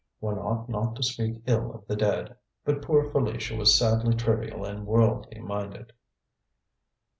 One ought not to speak ill of the dead but poor Felicia was sadly trivial and worldly minded."